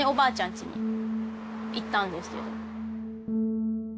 家に行ったんですけど。